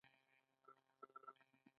نخود نایتروجن ځمکې ته ورکوي.